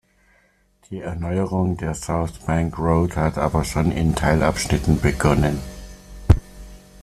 Die Erneuerung der South Bank Road hat aber schon in Teilabschnitten begonnen.